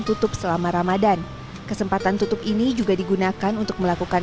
tutup selama ramadhan kesempatan tutup ini juga digunakan untuk melakukan